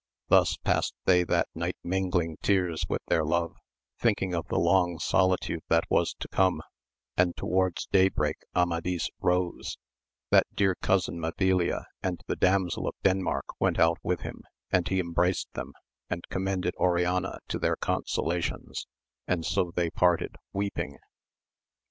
Thus past they that night mingling tears with their love, thinking of the long solitude that was to come, and towards day break Amadis rose ; that dear cousin Mabilia and the Damsel of Denmark went out with him, and he embraced them, and com mended Oriana to their consolations, and so they parted weeping.